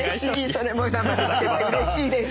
それも生で聞けてうれしいです。